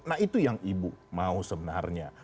nah itu yang ibu mau sebenarnya